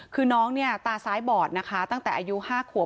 คือน้องเนี่ยตาซ้ายบอดนะคะตั้งแต่อายุ๕ขวบ